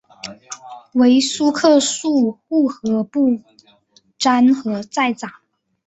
为苏克素护河部沾河寨长。